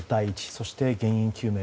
そして、原因究明